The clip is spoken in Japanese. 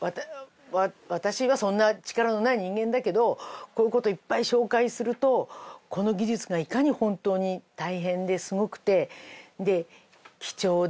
私はそんな力のない人間だけどこういう事いっぱい紹介するとこの技術がいかに本当に大変ですごくて貴重で。